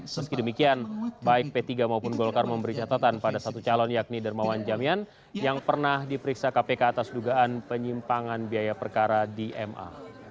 meski demikian baik p tiga maupun golkar memberi catatan pada satu calon yakni dermawan jamian yang pernah diperiksa kpk atas dugaan penyimpangan biaya perkara di ma